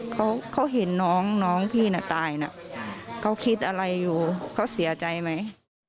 เขาเขาเห็นน้องน้องพี่น่ะตายนะเขาคิดอะไรอยู่เขาเสียใจไหม